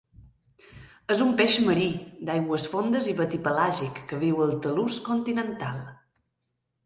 És un peix marí, d'aigües fondes i batipelàgic que viu al talús continental.